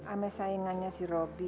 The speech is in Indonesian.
ame saingannya si robi